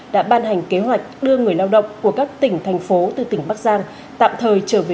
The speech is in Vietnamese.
đã ban hành kế hoạch đưa người lao động của các tỉnh thành phố từ tỉnh bắc giang tạm thời trở về